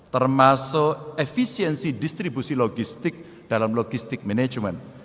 termasuk efisiensi distribusi logistik dalam logistik manajemen